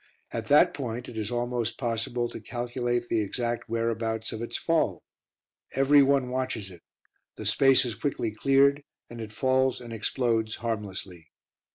At that point it is almost possible to calculate the exact whereabouts of its fall. Everyone watches it; the space is quickly cleared, and it falls and explodes harmlessly.